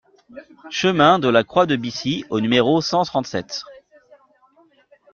Chemin de la Croix de Bissy au numéro cent trente-sept